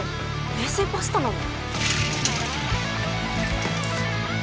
冷製パスタなの？